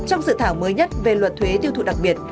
trong sự thảo mới nhất về luật thuế tiêu thụ đặc biệt